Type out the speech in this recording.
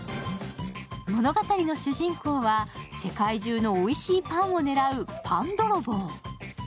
物語の主人公は世界中のおいしいパンを狙うパンどろぼう。